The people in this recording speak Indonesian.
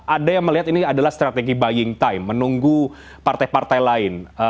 ada yang melihat ini adalah strategi buying time menunggu partai partai lain